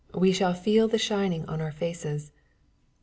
We shall feel the sun shining on our faces.